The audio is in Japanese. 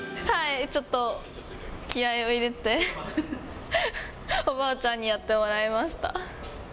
ちょっと気合いを入れて、おばあちゃんにやってもらいました。